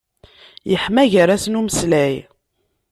Yeḥma gar-asen umeslay.